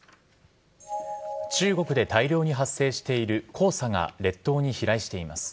中国で大量に発生している黄砂が列島に飛来しています。